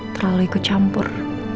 terlalu ikut campur